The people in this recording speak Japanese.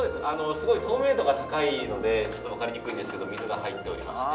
すごい透明度が高いのでちょっとわかりにくいんですけど水が入っておりまして。